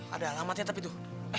ada alamatnya tapi tuh